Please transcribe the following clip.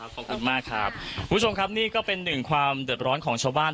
ขอบคุณมากครับคุณผู้ชมครับนี่ก็เป็นหนึ่งความเดือดร้อนของชาวบ้าน